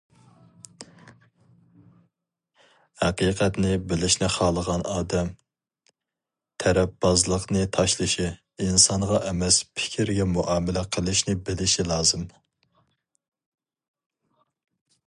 ھەقىقەتنى بىلىشنى خالىغان ئادەم تەرەپبازلىقنى تاشلىشى، ئىنسانغا ئەمەس پىكىرگە مۇئامىلە قىلىشنى بىلىشى لازىم .